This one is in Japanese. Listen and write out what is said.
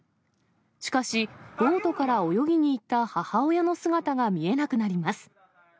しかし、ボートから泳ぎに行った母親の姿が見えなくなります。